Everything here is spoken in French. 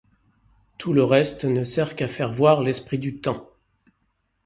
Tout le reste ne sert qu'à faire voir l'esprit du temps.